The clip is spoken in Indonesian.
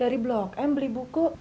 dari blok m beli buku